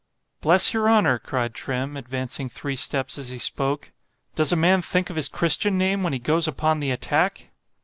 —Bless your honour! cried Trim, advancing three steps as he spoke, does a man think of his christian name when he goes upon the attack?